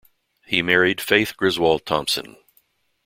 He married Faith Griswold Thompson.